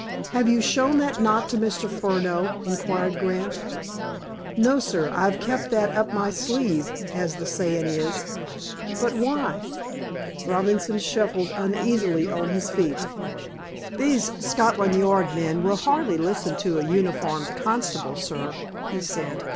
"Have you shown that knot to Mr. Furneaux?" inquired Grant. "No, sir. I've kept that up me sleeve, as the sayin' is." "But why?" Robinson shuffled uneasily on his feet. "These Scotland Yard men will hardly listen to a uniformed constable, sir," he said.